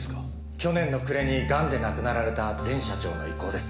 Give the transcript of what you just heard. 去年の暮れにガンで亡くなられた前社長の意向です。